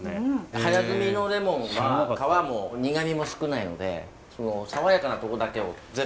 早摘みのレモンは皮も苦みも少ないのでその爽やかなとこだけを全部。